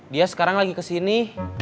dia sekarang lagi kesini